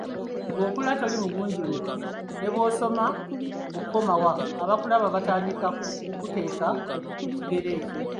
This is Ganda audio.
Bw’okula toli mugunjule ne bw’osoma okukoma wa, abakulaba batandika okukuteeka mu kigero kyo.